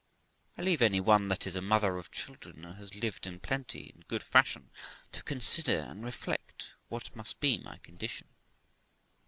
I leave any one that is a mother of children, and has lived in plenty and in good fashion, to consider and reflect what must be my condition.